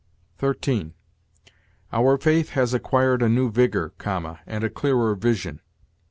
13. 'Our faith has acquired a new vigor(,) and a clearer vision.'